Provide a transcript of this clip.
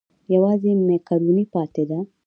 یوازې مېکاروني پاتې ده.